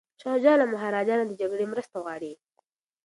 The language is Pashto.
شاه شجاع له مهاراجا نه د جګړې مرسته غواړي.